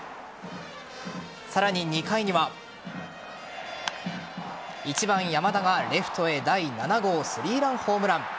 さらに２回には１番・山田がレフトへ第７号３ランホームラン。